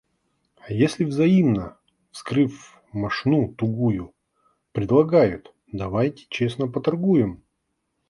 А если взаимно, вскрыв мошну тугую, предлагают: – Давайте честно поторгуем!